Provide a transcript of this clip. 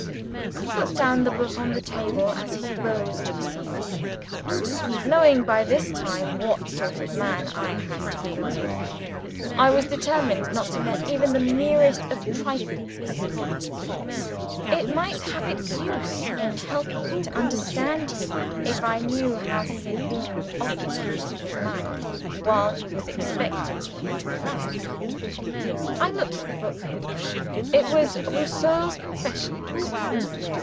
He put down the book on the table as he rose to receive me. Knowing, by this time, what sort of man I had to deal with, I was determined not to let even the merest trifles escape me. It might have its use in helping me to understand him, if I knew how he had been occupying his mind while he was expecting me to arrive. I looked at the book. It was _Rousseau's Confessions.